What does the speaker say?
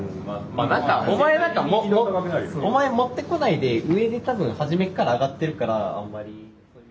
お前なんかお前持ってこないで上で多分初めっから上がってるからあんまり。